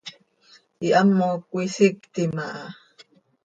Ihamoc cöisictim aha.